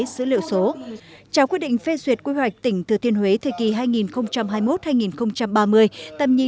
dữ liệu số trao quyết định phê duyệt quy hoạch tỉnh thừa thiên huế thời kỳ hai nghìn hai mươi một hai nghìn ba mươi tầm nhìn